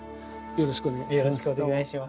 よろしくお願いします。